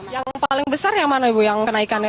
yang paling besar yang mana ibu yang kenaikannya